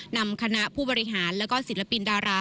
นำคณะผู้บริหารแล้วก็ศิลปินดารา